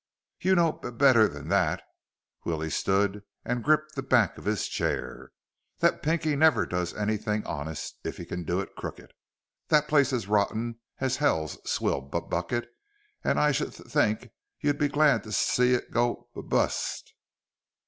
"You know b better than that!" Willie stood up and gripped the back of his chair. "That Pinky never does anything honest if he can do it crooked. That place is rotten as hell's swill b bucket, and I should th think you'd be glad to s see it go b bust!"